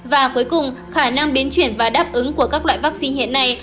và cuối cùng khả năng biến chuyển và đáp ứng của các loại vaccine hiện nay